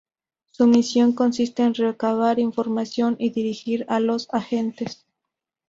Su misión consiste en recabar información y dirigir a los agentes.